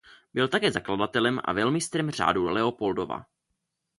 Byl také zakladatelem a velmistrem Řádu Leopoldova.